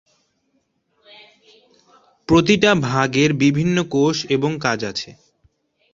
প্রতিটা ভাগের বিভিন্ন কোষ এবং কাজ আছে।